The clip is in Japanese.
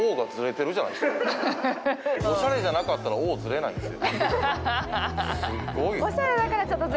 おしゃじゃなかったらＯがずれないんですよ。